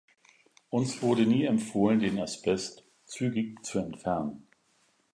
Uns wurde nie empfohlen, den Asbest zügig zu entfernen.